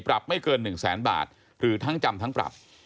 ไม่เกิน๑แสนบาทหรือทั้งจำทั้งปรับ